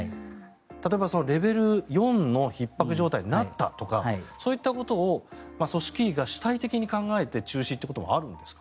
例えばレベル４のひっ迫状態になったとかそういったことを組織委が主体的に考えて中止ということもあるんですか？